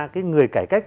cái người cải cách